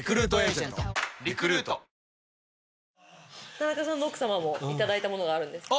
田中さんの奥さまも頂いた物があるんですか？